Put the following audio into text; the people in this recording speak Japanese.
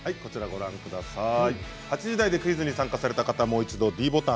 ８時台でクイズに参加された方はもう一度ｄボタン。